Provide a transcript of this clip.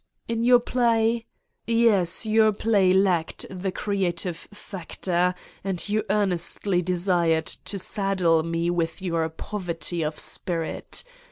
In your play? Yes, your play lacked the creative factor and you earnestly de sired to saddle me with your poverty of spirit.